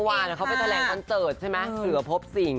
กลัววานเขาไปตาแหลงการเจิดใช่ไหมเสือพบสิง